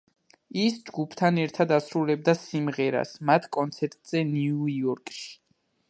ის ჯგუფთან ერთად ასრულებდა სიმღერას მათ კონცერტებზე ნიუ-იორკში.